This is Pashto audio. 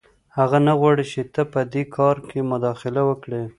هغه نه غواړي چې ته په دې کار کې مداخله وکړې